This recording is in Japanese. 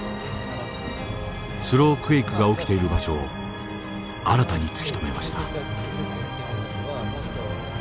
スロークエイクが起きている場所を新たに突き止めました。